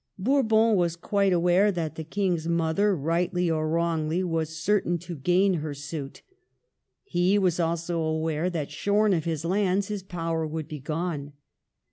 Bourbon was quite aware that the King's mother, rightly or wrongly, was certain to gain her suit. He was also aware that, shorn of his lands, his power would be gone.